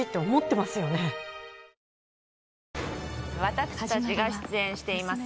私たちが出演しています